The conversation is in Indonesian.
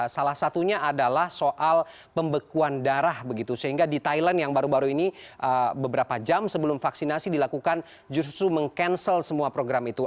salah satunya adalah soal pembekuan darah begitu sehingga di thailand yang baru baru ini beberapa jam sebelum vaksinasi dilakukan justru meng cancel semua program itu